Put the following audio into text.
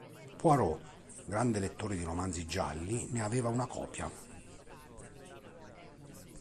Poirot, grande lettore di romanzi gialli, ne aveva una copia.